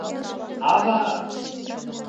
Ава!